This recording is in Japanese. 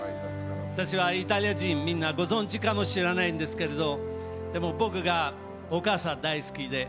私はイタリア人、みんなご存じかもしれないんですけどでも僕がお母さん大好きで。